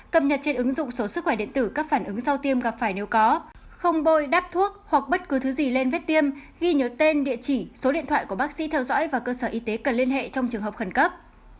cập nhật trên ứng dụng số sức khỏe điện tử các phản ứng sau tiêm gặp phải nếu có không bôi đáp thuốc hoặc bất cứ thứ gì lên vết tiêm ghi nhớ tên địa chỉ số điện thoại của bác sĩ theo dõi và cơ sở y tế cần liên hệ trong trường hợp khẩn cấp